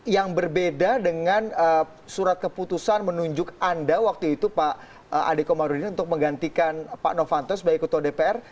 yang berbeda dengan surat keputusan menunjuk anda waktu itu pak ade komarudin untuk menggantikan pak novanto sebagai ketua dpr